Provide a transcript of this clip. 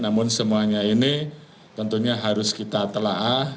namun semuanya ini tentunya harus kita telah